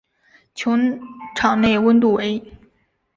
球场内温度为。